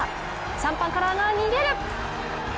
シャンパンカラーが逃げる！